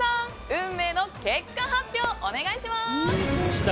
運命の結果発表お願いします！